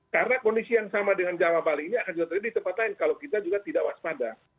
karena kondisi yang sama dengan jawa bali ini akan juga terlibat di tempat lain kalau kita juga tidak waspada